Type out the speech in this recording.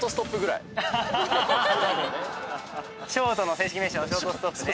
ショートの正式名称はショートストップね。